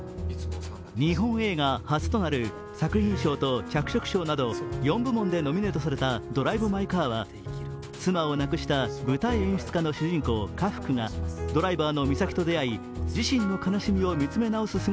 日本映画初となる作品賞と脚色賞など、４部門でノミネートされた「ドライブ・マイ・カー」は妻を亡くした舞台演出家の主人公・家福がドライバーのみさきと出会い自身の悲しみと見つめ直す